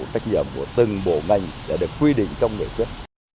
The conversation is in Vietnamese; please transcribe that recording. trách nhiệm của từng bộ ngành đã được quy định trong nghị quyết